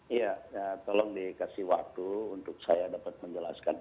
iya tolong dikasih waktu untuk saya dapat menjelaskan